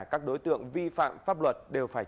các đối tượng vi phạm pháp luật đều phải